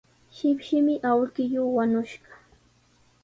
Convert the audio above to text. Shipshimi awkilluu wañushqa.